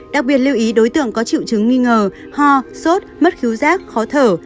đặc biệt lưu ý đối tượng có triệu chứng nghi ngờ ho sốt mất cứu giác khó thở